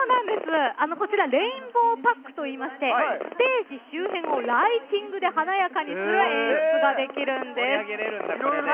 こちらレインボーパックといいましてステージ周辺をライティングで華やかにする演出ができるんです。